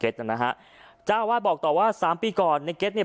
พระเจ้าอาวาสกันหน่อยนะครับ